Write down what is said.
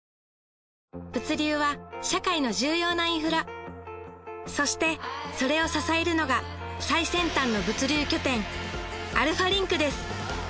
物流は社会の重要なインフラそしてそれを支えるのが最先端の物流拠点アルファリンクです